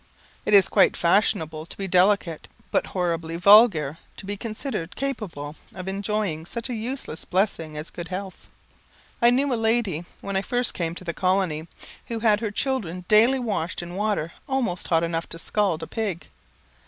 It is quite fashionable to be delicate, but horribly vulgar to be considered capable of enjoying such a useless blessing as good health. I knew a lady, when I first came to the colony, who had her children daily washed in water almost hot enough to scald a pig.